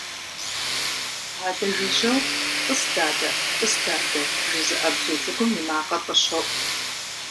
Адэ жыжьэу «тӏыс дадэ, тӏыс дадэ» жызыӏэ бзу цӏыкӏум и макъыр къыщоӏу.